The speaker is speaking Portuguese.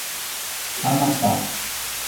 Amapá